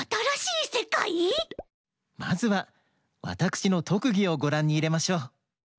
まずはわたくしのとくぎをごらんにいれましょう。